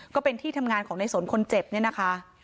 ก็เป็นที่ทำงานของในสนคนเจ็บเนี่ยนะคะ